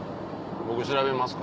僕調べますか？